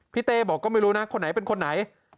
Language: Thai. เต้บอกก็ไม่รู้นะคนไหนเป็นคนไหน